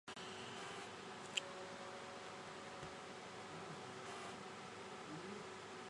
乌斯片卡村委员会是俄罗斯联邦阿斯特拉罕州阿赫图宾斯克区所属的一个村委员会。